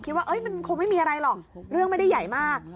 คิดว่ามันคงไม่มีอะไรหรอกเรื่องไม่ได้ใหญ่มาก